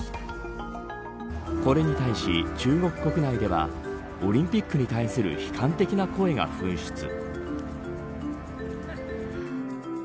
これに対し、中国国内ではオリンピックに対する悲観的な声が噴出。